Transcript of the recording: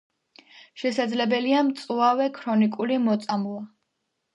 შესაძლებელია მწვავე ქრონიკული მოწამვლა.